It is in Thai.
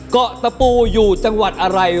เกาะตะปูอยู่จังหวัดอะไร